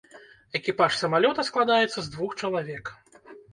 Экіпаж самалёта складаецца з двух чалавек.